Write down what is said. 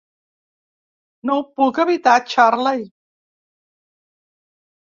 No ho puc evitar, Charley.